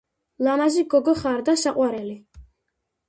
ლამაზი გოგო ხარ და საყვარელი